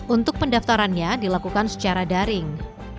untuk pendaftarannya dilakukan secara daring